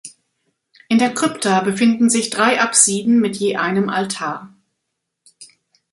In der Krypta befinden sich drei Apsiden mit je einem Altar.